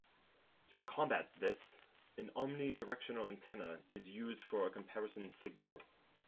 To combat this, an omnidirectional antenna is used for a comparison signal.